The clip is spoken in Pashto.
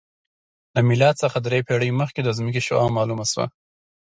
د میلاد څخه درې پېړۍ مخکې د ځمکې شعاع معلومه شوه